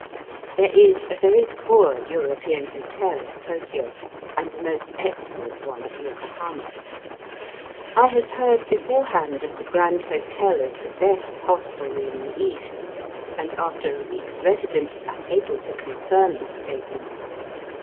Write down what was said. There is a very poor European hotel at Tokio, and a most excellent one at Yoko hama. I had heard beforehand of the Grand Hotel as the best hostelry in the East, and Digitized by VjOOQIC 216 EAST BY WEST. after a week's residence am able to confirm the statement.